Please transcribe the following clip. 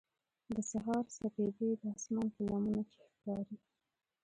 د سهار سپېدې د اسمان په لمنو کې ښکاري.